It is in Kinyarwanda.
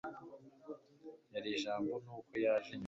yari ijambo nuko yaje nyuma